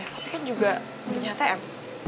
tapi kan juga punya tm